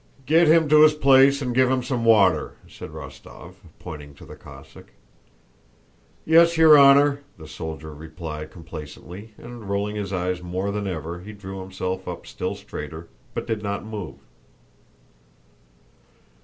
"Get him to his place and give him some water," said Rostóv, pointing to the Cossack. "Yes, your honor," the soldier replied complacently, and rolling his eyes more than ever he drew himself up still straighter, but did not move.